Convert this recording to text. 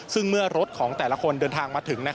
ซึ่งเมื่อรถของแต่ละคนเดินทางมาถึง